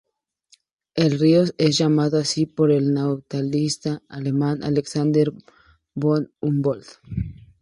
El río es llamado así por el naturalista alemán Alexander von Humboldt.